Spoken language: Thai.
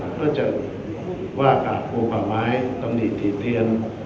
เราก็จะว่ากับประแม้ตำนีที่เถียน